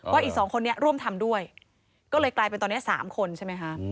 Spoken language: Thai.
อีกสองคนนี้ร่วมทำด้วยก็เลยกลายเป็นตอนนี้๓คนใช่ไหมคะ